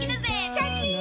シャキン！